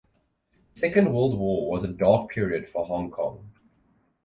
The Second World War was a dark period for Hong Kong.